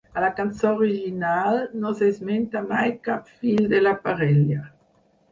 A la cançó original, no s'esmenta mai cap fill de la parella.